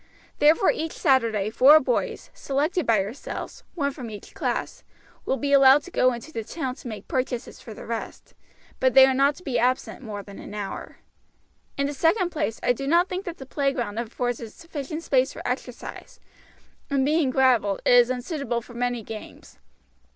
Therefore each Saturday four boys, selected by yourselves, one from each class, will be allowed to go into the town to make purchases for the rest, but they are not to be absent more than an hour. "In the second place, I do not think that the playground affords a sufficient space for exercise, and being graveled, it is unsuitable for many games.